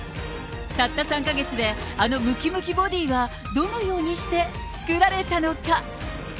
たった３か月で、あのむきむきボディはどのようにして作られたのか。